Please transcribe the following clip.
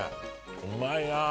うまいな。